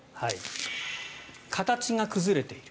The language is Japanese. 形が崩れている。